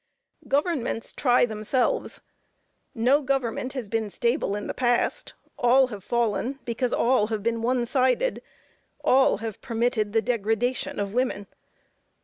Governments try themselves. No government has been stable in the past; all have fallen because all have been one sided; all have permitted the degradation of woman.